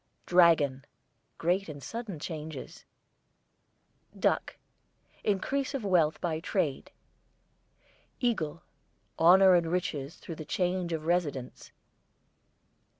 DRAGON, great and sudden changes. DUCK, increase of wealth by trade. EAGLE, honour and riches through change of residence.